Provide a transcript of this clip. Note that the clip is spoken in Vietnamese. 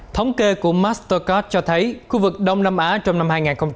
thống kê của mastercard cho thấy khu vực đông nam á trong năm hai nghìn hai mươi